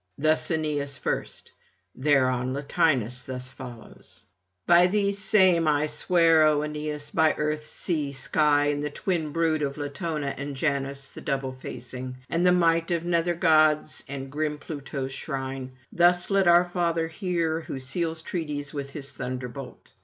Thus Aeneas first: thereon Latinus thus follows: 'By these same I swear, O Aeneas, by Earth, Sea, Sky, and the twin brood of Latona and Janus the double facing, and the might of nether gods and grim Pluto's shrine; this let our Father hear, who seals treaties with his thunderbolt.